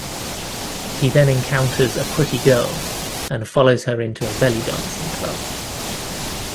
He then encounters a pretty girl and follows her into a belly dancing club.